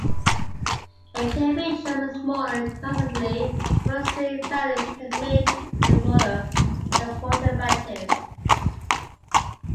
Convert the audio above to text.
It can be chosen smaller consistently, but extreme values can make the model nonperturbative.